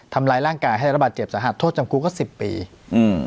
ทำร้ายร่างกายให้ระบาดเจ็บสาหัสโทษจำคุกก็สิบปีอืม